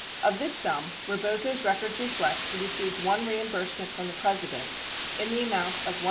32 40 Of this sum, Rebozo's records reflect he received one reimbursement from the President, in the amount of $127.